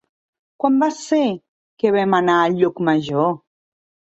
Quan va ser que vam anar a Llucmajor?